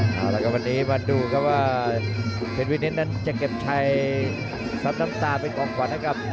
เอาละครับวันนี้มาดูครับว่าเพนวินิตนั้นจะเก็บชัยซับน้ำตาเป็นของขวัญให้กับ